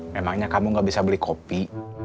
memangnya kamu gak bisa beli kopi